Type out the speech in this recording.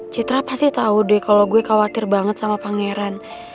citra pasti tahu deh kalau gue khawatir banget sama pangeran